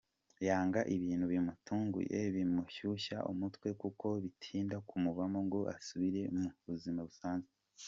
Yanga ibintu bimutunguye bimushyushya umutwe kuko bitinda kumuvamo ngo asubire mu buzima busanzwe.